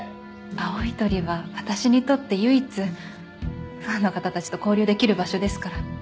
青い鳥は私にとって唯一ファンの方たちと交流できる場所ですから。